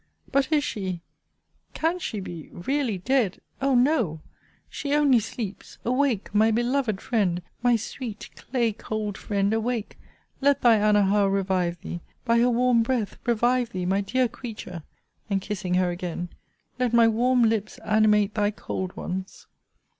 But is she, can she be, really dead! O no! She only sleeps. Awake, my beloved Friend! My sweet clay cold Friend, awake: let thy Anna Howe revive thee; by her warm breath revive thee, my dear creature! And, kissing her again, Let my warm lips animate thy cold ones!